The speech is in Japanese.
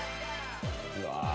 うわ！